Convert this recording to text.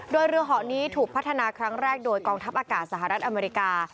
โดยเรือหอนี้ถูกพัฒนาครั้งแรกโดยกองทัพอากาศสหรัฐอเมริกา